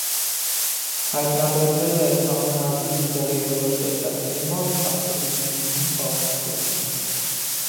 Հայտնաբերվել էր անոնազգի ցեղի որոշ տեսակների մոտ ացետիգենինի պարունակություն։